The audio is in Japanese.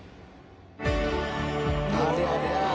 ありゃりゃ。